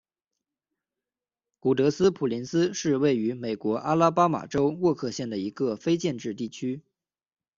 古德斯普林斯是位于美国阿拉巴马州沃克县的一个非建制地区。